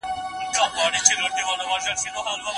د ميرمني مراعات کول څه معنا لري؟